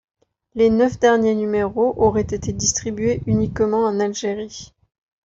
Les neuf derniers numéros auraient été distribués uniquement en Algérie.